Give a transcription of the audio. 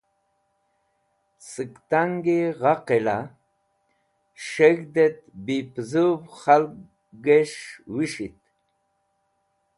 Sẽk tangi gha qila sheg̃hdẽdt bi pẽzũv khakgẽs̃h wishit.